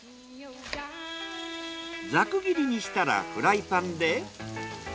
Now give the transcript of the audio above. ザク切りにしたらフライパンで。